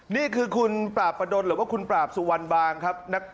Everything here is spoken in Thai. นี่คือคุณปราบประดนหรือว่าคุณปราบสุวรรณบางครับ